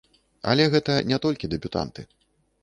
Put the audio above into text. Але гэта не толькі дэбютанты.